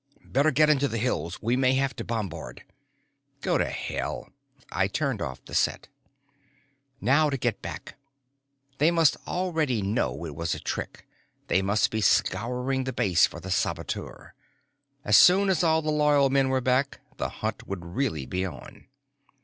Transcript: "Better get into the hills. We may have to bombard." "Go to hell." I turned off the set. Now to get back. They must already know it was a trick; they must be scouring the base for the saboteur. As soon as all loyal men were back, the hunt would really be on.